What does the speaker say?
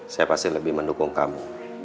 saya pasti lebih mendukung kamu